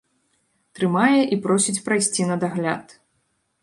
Трымае і просіць прайсці на дагляд.